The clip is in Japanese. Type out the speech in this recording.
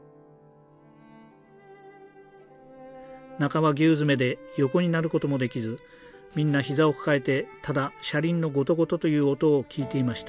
中はぎゅう詰めで横になることもできずみんな膝を抱えてただ車輪のゴトゴトという音を聞いていました。